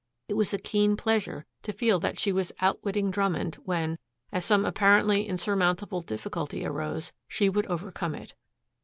It was a keen pleasure to feel that she was outwitting Drummond when, as some apparently insurmountable difficulty arose, she would overcome it.